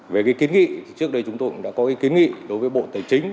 về kiến nghị trước đây chúng tôi cũng đã có kiến nghị đối với bộ tài chính